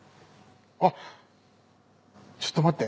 あっちょっと待って。